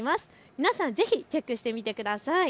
皆さんぜひチェックしてみてください。